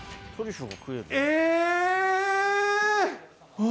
え！